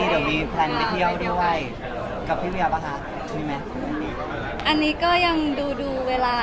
ร้านเดียวด้วยครับพี่วิวบ้างค่ะมีมั้ยอันนี้ก็ยังดูดูเวลา